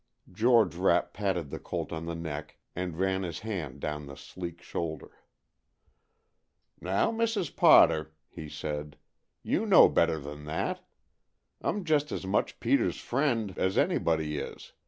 George Rapp patted the colt on the neck and ran his hand down the sleek shoulder. "Now, Mrs. Potter," he said, "you know better than that. I'm just as much Peter's friend as anybody is.